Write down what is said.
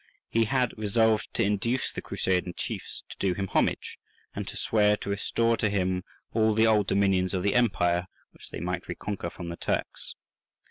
He had resolved to induce the crusading chiefs to do him homage, and to swear to restore to him all the old dominions of the empire which they might reconquer from the Turks.